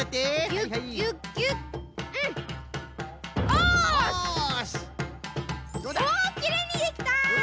おっきれいにできた！